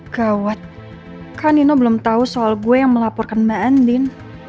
gawat kan nino belum tahu soal gue yang melaporkan mbak andin